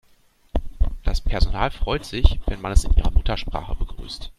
Das Personal freut sich, wenn man es in ihrer Muttersprache begrüßt.